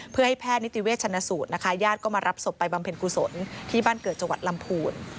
เพื่อให้แพทย์นิติเวชชนะสูตรนะคะญาติก็มารับศพไปบำเพ็ญกุศลที่บ้านเกิดจังหวัดลำพูน